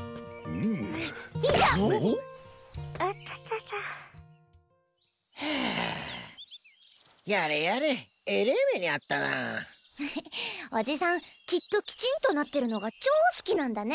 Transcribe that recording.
ふふっおじさんきっときちんとなってるのが超好きなんだね。